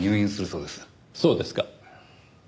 そうですか。